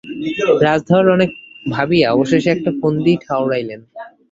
রাজধর অনেক ভাবিয়া অবশেষে একটা ফন্দি ঠাওরাইলেন।